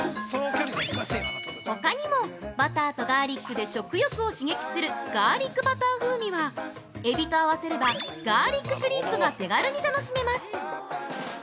◆ほかにも、バターとガーリックで食欲を刺激する「ガーリックバター風味」は、エビと合わせれば、ガーリックシュリンプが手軽に楽しめます。